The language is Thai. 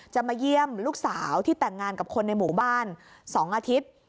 จะมาเยี่ยมลูกสาวที่แต่งงานกับคนในหมู่บ้าน๒อาทิตย์